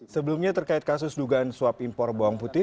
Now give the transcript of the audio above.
sebelumnya terkait kasus dugaan suap impor bawang putih